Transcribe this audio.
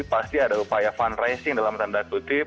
pasti ada upaya fundraising dalam tanda kutip